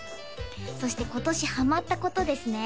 そして今年ハマったことですね